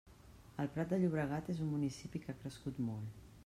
El Prat de Llobregat és un municipi que ha crescut molt.